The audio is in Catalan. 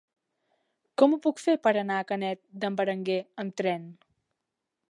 Com ho puc fer per anar a Canet d'en Berenguer amb tren?